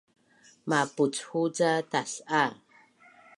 mapuchu ca tas’a